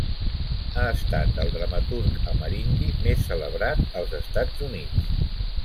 Ha estat el dramaturg amerindi més celebrat als Estats Units.